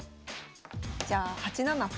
じゃあ８七歩。